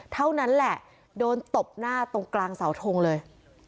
เท่านั้นแหละโดนตบหน้าตรงกลางเสาทงเลย